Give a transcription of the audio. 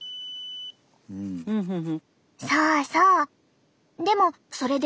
そうそう。